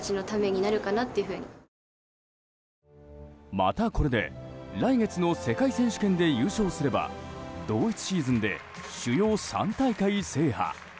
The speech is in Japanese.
また、これで来月の世界選手権で優勝すれば同一シーズンで主要３大会制覇。